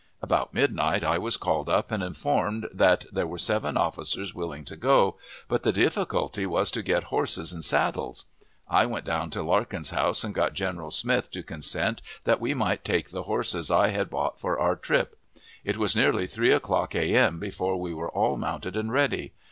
About midnight I was called up and informed that there were seven officers willing to go, but the difficulty was to get horses and saddles. I went down to Larkin's house and got General Smith to consent that we might take the horses I had bought for our trip. It was nearly three o'clock a.m. before we were all mounted and ready.